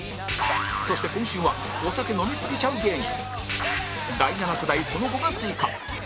そして今週はお酒飲みすぎちゃう芸人第七世代、その後が追加